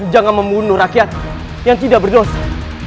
jangan membunuh rakyat yang tidak berdosa